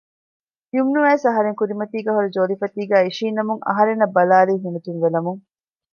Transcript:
ޔުމްނު އައިސް އަހަރެންގެ ކުރިމަތީގައި ހުރި ޖޯލިފަތީގައި އިށީންނަމުން އަހަރެންނަށް ބަލާލީ ހިނިތުންވެލަމުން